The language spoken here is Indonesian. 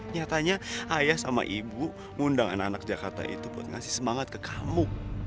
nyatanya ayah sama ibu ngundang anak anak jakarta itu buat ngasih semangat ke kamu